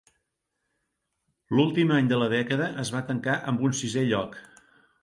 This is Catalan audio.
L'últim any de la dècada es va tancar amb un sisè lloc.